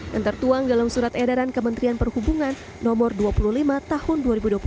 yang tertuang dalam surat edaran kementerian perhubungan no dua puluh lima tahun dua ribu dua puluh satu